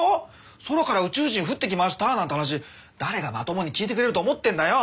「空から宇宙人降ってきました」なんて話誰がまともに聞いてくれると思ってんだよ。